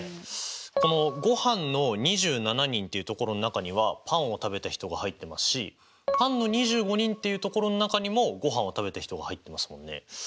このごはんの２７人っていう所の中にはパンを食べた人が入ってますしパンの２５人っていう所の中にもごはんを食べた人が入ってますもんね。